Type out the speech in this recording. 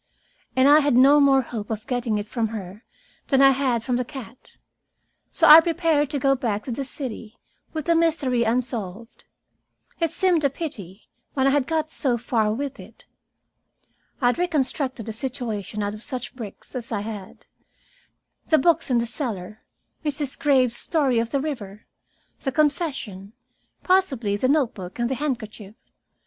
And I had no more hope of getting it from her than I had from the cat. So I prepared to go back to the city, with the mystery unsolved. It seemed a pity, when I had got so far with it. I had reconstructed a situation out of such bricks as I had, the books in the cellar, Mrs. Graves's story of the river, the confession, possibly the note book and the handkerchief.